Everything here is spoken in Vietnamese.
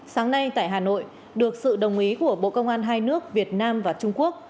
sáng nay tại hà nội được sự đồng ý của bộ công an hai nước việt nam và trung quốc